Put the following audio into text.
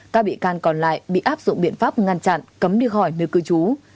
các bị can còn lại bị áp dụng biện pháp ngăn chặn cấm đi khỏi nơi cư trú